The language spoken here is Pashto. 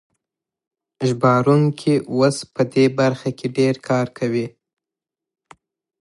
ژباړونکي اوس په دې برخه کې ډېر کار کوي.